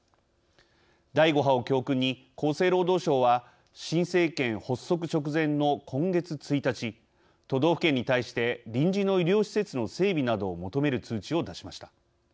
第５波を教訓に厚生労働省は新政権発足直前の今月１日都道府県に対して臨時の医療施設の整備などを求める通知を出しました。